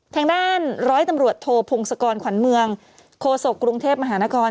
ทางด้านร้อยตำรวจโทพงศกรขวัญเมืองโคศกกรุงเทพมหานคร